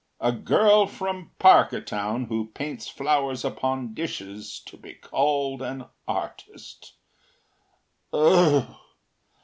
A girl from Parkertown who paints flowers upon dishes to be called an artist ugh!